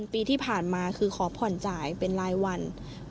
ปีที่ผ่านมาคือขอผ่อนจ่ายเป็นรายวัน